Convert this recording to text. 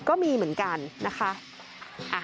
ก็มีเหมือนกันนะคะ